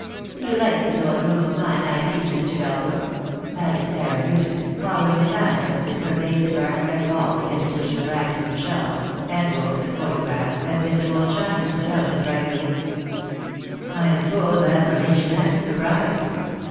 You like this old room of mine, I see, Mr. Dalbrook," added Sarah Newton, following his eyes as they surveyed the dark red wall against which the brackets and shelves, and books and photographs, and bits of old china stood out in bright relief. "I am full of admiration and surprise!"